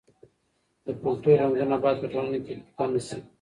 د کلتور رنګونه باید په ټولنه کې پیکه نه سي.